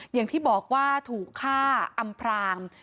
อย่างที่บอกว่าถูกฆ่าอำพราง